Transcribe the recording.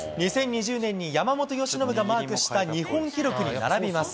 ２０２０年に山本由伸がマークした日本記録に並びます。